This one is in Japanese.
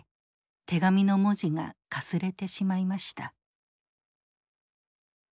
手紙の文字がかすれてしまいました。